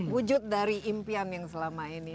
wujud dari impian yang selama ini